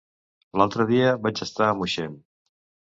L'altre dia vaig estar a Moixent.